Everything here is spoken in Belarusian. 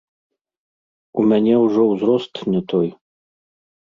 У мяне ўжо ўзрост не той.